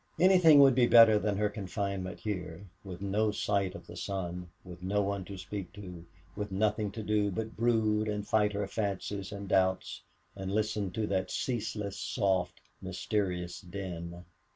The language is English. Anything would be better than her confinement here, with no sight of the sun, with no one to speak to, with nothing to do but brood and fight her fancies and doubts, and listen to that ceaseless, soft, mysterious din.